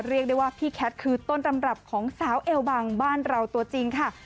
เรียกได้ว่าพี่แคทคือต้นตำรับของสาวเอลบังบ้านเราตัวจริงค่ะ